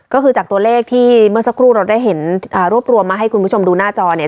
ก็คือจากตัวเลขที่เมื่อสักครู่เราได้เห็นอ่ารวบรวมมาให้คุณผู้ชมดูหน้าจอเนี่ย